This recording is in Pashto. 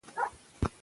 او راز راز میوې لري.